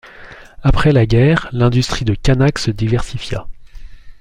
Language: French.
Après la guerre, l'industrie de Kanach se diversifia.